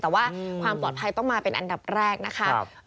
แต่ว่าความปลอดภัยต้องมาเป็นอันดับแรกนะคะ